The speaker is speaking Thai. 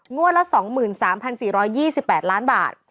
ละ๒๓๔๒๘ล้านบาท